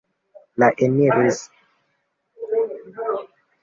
Li eniris en politiko en la Norda Regiono.